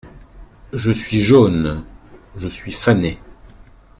Je suis jaune ! je suis fané !